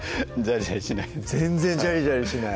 ジャリジャリしない